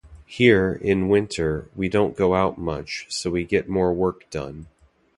Here, in winter, we don't go out much so we get more work done.